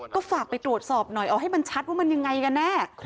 ก็ฝากไปตรวจสอบหน่อยเอาให้มันชัดว่ามันยังไงกันแน่